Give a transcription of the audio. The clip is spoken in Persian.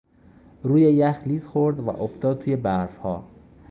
روی یخ لیز خورد و افتاد توی برفها.